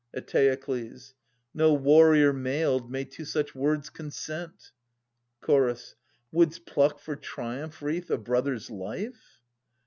Eteokles. No warrior mailed may to such words consent. Chorus. Wouldst pluck for triumph wreath a brother's life